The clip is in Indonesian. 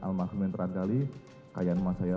al masrum yang terakhir kali kayaan masaya